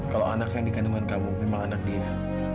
kalau anak yang dikandungkan kamu memang anak dia